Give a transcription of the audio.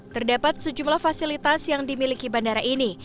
terdapat sejumlah fasilitas yang dimiliki bandara ini